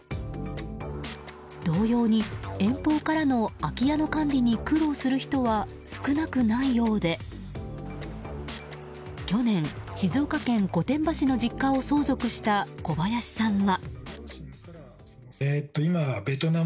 同様に遠方からの空き家の管理に苦労する人は少なくないようで去年、静岡県御殿場市の実家を相続した小林さんは。